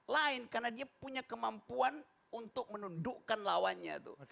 lain karena dia punya kemampuan untuk menundukkan lawannya tuh